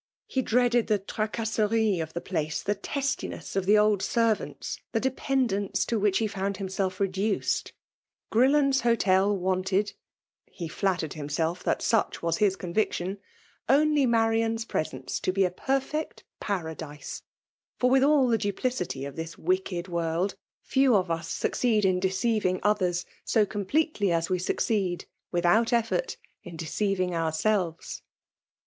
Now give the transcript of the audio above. He dreaded the fracOMerie* o£'tfae^|da<i^ ^thd testiness of the old servants —the dependence to which he found himself rUaee^. Orlllofei*s Hotel wanted (he flktiered himselE Ifaat' such was bis conviction) only B^nriaA's presence to be a perfect Paradise ; fot^with all the dnpUcity of this wicked woiid; TeisKrol nssucoeed in deceiving others so com« pietdy as we succeed, without effbrt, in de cdviiig ourseWes.